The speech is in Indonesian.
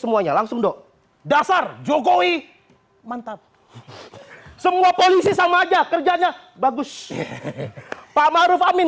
semuanya langsung dok dasar jokowi mantap semua polisi sama aja kerjanya bagus pak maruf amin